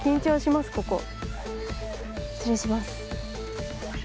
失礼します。